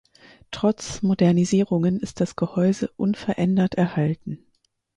Trotz Modernisierungen ist das Gehäuse unverändert erhalten.